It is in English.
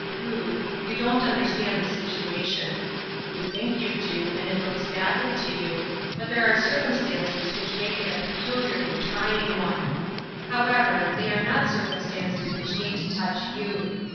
Ruth, you don't understand the situation. You think you do, and it looks badly to you, but there are circumstances which make it a pecu 256 Ruth Erskine's Crosses, liarly trjdng one. However, they are not circum stances which need to touch you.